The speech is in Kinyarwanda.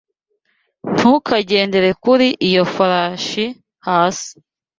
Ntukagendere kuri iyo farashi hasi